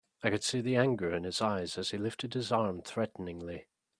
I could see the anger in his eyes as he lifted his arm threateningly.